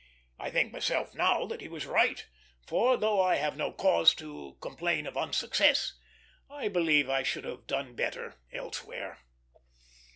I think myself now that he was right; for, though I have no cause to complain of unsuccess, I believe I should have done better elsewhere.